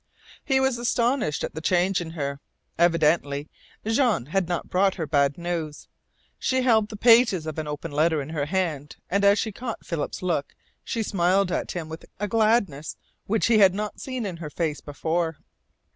He was astonished at the change in her. Evidently Jean had not brought her bad news. She held the pages of an open letter in her hand, and as she caught Philip's look she smiled at him with a gladness which he had not seen in her face before.